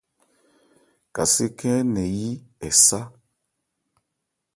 Kasé khɛ́n ɛ̀ɛ́ nɛn yí ɛ sá.